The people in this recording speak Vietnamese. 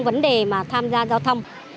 trong vấn đề mà tham gia giao thông